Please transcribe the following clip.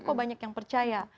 kok banyak yang percaya